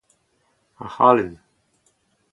Ac'hamen !